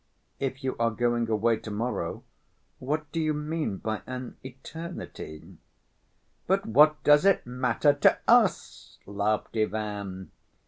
"If you are going away to‐morrow, what do you mean by an eternity?" "But what does it matter to us?" laughed Ivan.